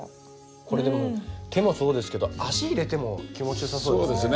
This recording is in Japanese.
これでも手もそうですけど足入れても気持ち良さそうですよね。